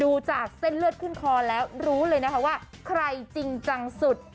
ดูจากเส้นเลือดขึ้นคอแล้วรู้เลยนะคะว่าใครจริงจังสุด